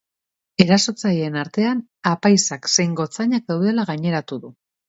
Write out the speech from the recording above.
Erasotzaileen artean apaizak zein gotzainak daudela gaineratu du.